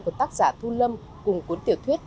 của tác giả thu lâm cùng cuốn tiểu thuyết